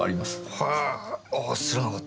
へえあ知らなかった。